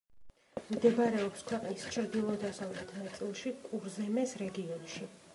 მდებარეობს ქვეყნის ჩრდილო-დასავლეთ ნაწილში, კურზემეს რეგიონში.